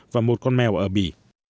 và một con mèo ở bì